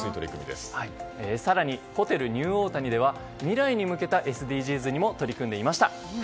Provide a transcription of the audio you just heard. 更に、ホテルニューオータニでは未来に向けたＳＤＧｓにも取り組んでいました。